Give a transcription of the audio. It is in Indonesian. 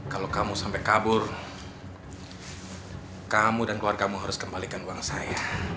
kalau kamu sampai kabur kamu dan keluargamu harus kembalikan uang saya